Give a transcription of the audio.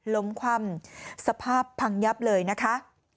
ล้มความสภาพพังยับเลยนะคะ